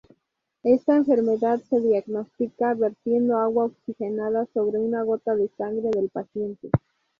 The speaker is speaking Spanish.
Esta enfermedad se diagnostica vertiendo agua oxigenada sobre una gota de sangre del paciente.